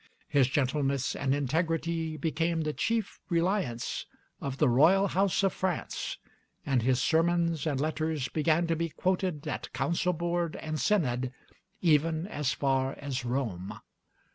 His gentleness and integrity became the chief reliance of the royal house of France, and his sermons and letters began to be quoted at council board and synod even as far as Rome.